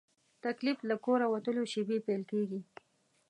تکلیف له کوره وتلو شېبې پیل کېږي.